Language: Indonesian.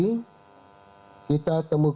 kemudian kita temukan gigi